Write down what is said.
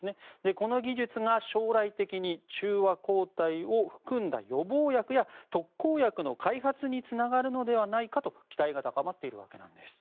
この技術が、将来的に中和抗体を含んだ予防薬や特効薬の開発につながるのではないかと期待が高まっているわけです。